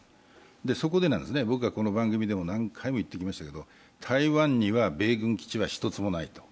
そこで僕はこの番組でも何回も言いましたが、台湾には米軍基地が１つもないと。